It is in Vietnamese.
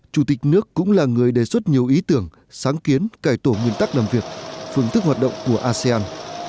chủ tịch nước cũng là người đề xuất nhiều ý tưởng sáng kiến cải tổ nguyên tắc làm việc phương thức hoạt động của asean